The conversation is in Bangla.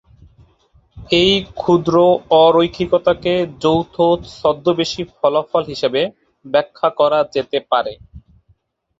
এই ক্ষুদ্র অ-রৈখিকতাকে যৌথ ছদ্মবেশী ফলাফল হিসাবে ব্যাখ্যা করা যেতে পারে।